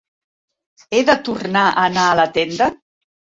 He de tornar a anar a la tenda?